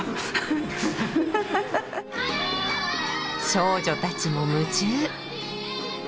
少女たちも夢中。